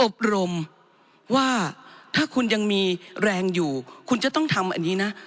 อบรมว่าถ้าคุณยังมีแรงอยู่คุณจะต้องทำอันนี้นะ